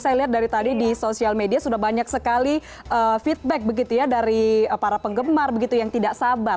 saya lihat dari tadi di sosial media sudah banyak sekali feedback begitu ya dari para penggemar begitu yang tidak sabar